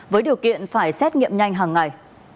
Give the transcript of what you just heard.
với điều kiện phải xét nghiệm nhanh hàng ngày